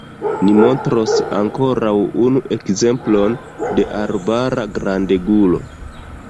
Ni montros ankoraŭ unu ekzemplon de arbara grandegulo.